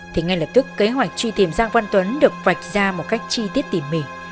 thì ngay lập tức kế hoạch truy tìm giang văn tuấn được vạch ra một cách chi tiết tỉ mỉ